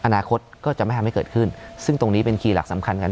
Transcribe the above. อนาคตก็จะไม่ทำให้เกิดขึ้นซึ่งตรงนี้เป็นคีย์หลักสำคัญกัน